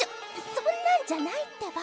そんなんじゃないってば。